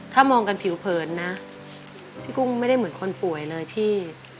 ถ้ามองกันผิวเผินนะพี่กุ้งไม่ได้เหมือนคนป่วยเลยพี่